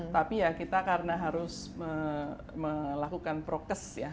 tapi ya kita karena harus melakukan prokes ya